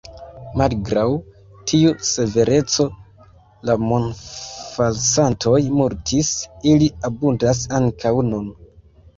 Malgraŭ tiu severeco la monfalsantoj multis; ili abundas ankaŭ nun.